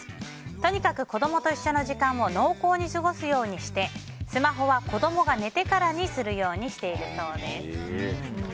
とにかく子供と一緒の時間を濃厚に過ごすようにしてスマホは子供が寝てからにするようにしているそうです。